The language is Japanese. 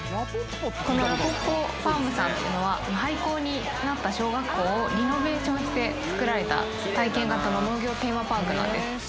このらぽっぽファームさんっていうのは廃校になった小学校をリノベーションしてつくられた体験型の農業テーマパークなんです